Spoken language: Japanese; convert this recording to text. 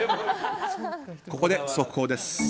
ここで速報です。